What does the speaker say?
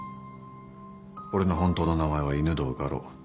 俺の本当の名前は犬堂ガロ。